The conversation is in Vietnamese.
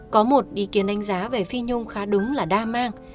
có một ý kiến đánh giá về phi nhung khá đúng là đa mang